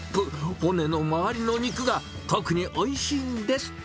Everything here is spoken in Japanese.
骨の周りの肉が特においしいんです。